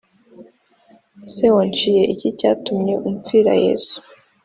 Ese wanciye iki cyatumye umpfira yesu